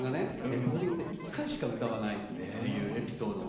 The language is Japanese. レコーディングで１回しか歌わないっていうエピソードもあって。